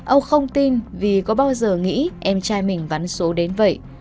ông không tin vì có bao giờ nghĩ em trai mình vắn số đến vậy